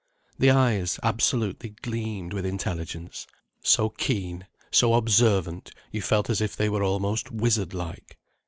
The eyes absolutely gleamed with intelligence; so keen, so observant, you felt as if they were almost wizard like.